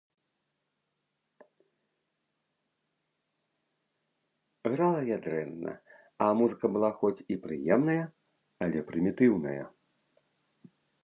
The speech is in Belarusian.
Грала я дрэнна, а музыка была хоць і прыемная, але прымітыўная.